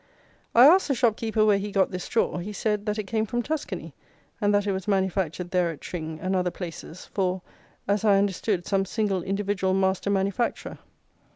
I asked the shopkeeper where he got this straw: he said, that it came from Tuscany; and that it was manufactured there at Tring, and other places, for, as I understood, some single individual master manufacturer.